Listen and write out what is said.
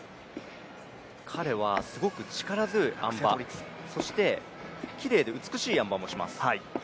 彼は力強いあん馬、そしてきれいで美しいあん馬もします。